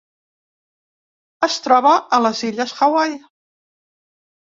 Es troba a les Illes Hawaii.